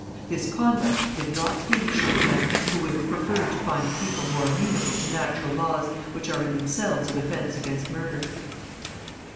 This conduct did not please Champlain, who would have preferred to find a people more amenable to natural laws, which are in themselves a defence against murder.